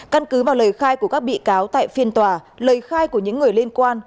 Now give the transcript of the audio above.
căn cứ vào lời khai của các bị cáo tại phiên tòa lời khai của những người liên quan